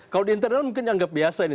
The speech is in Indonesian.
kalau di internal mungkin dianggap biasa ini